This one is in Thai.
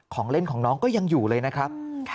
ของเล่นของน้องก็ยังอยู่เลยนะครับ